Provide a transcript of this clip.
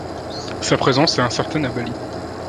Sa présence est incertaine à Bali.